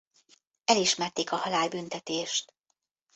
Elismerték a halálbüntetést.